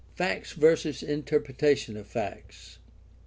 Facts versus interpretation of facts.